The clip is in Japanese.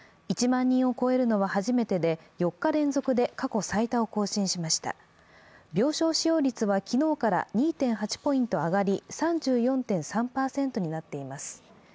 １万人を超えるのは初めてで４日連続で過去最多を更新しました病床使用率は昨日から２．８ポイント上がり３４．３％になっています。